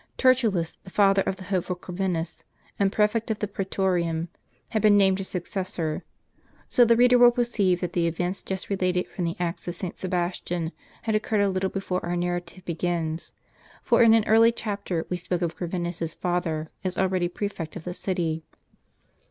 Tertullus, the father of the hopeful Corvinus, and prefect of the Preeto rium, had been named his successor; so the reader will per ceive that the events just related from the Acts of St. Sebas tian, had occurred a little before our narrative begins ; for in an early chapter we spoke of Corvinus's father as already prefect of the city.